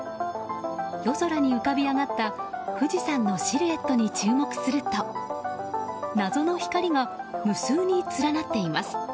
夜空に浮かび上がった富士山のシルエットに注目すると謎の光が無数に連なっています。